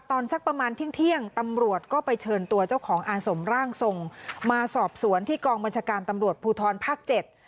สักประมาณเที่ยงเที่ยงตำรวจก็ไปเชิญตัวเจ้าของอาสมร่างทรงมาสอบสวนที่กองบัญชาการตำรวจภูทรภาคเจ็ด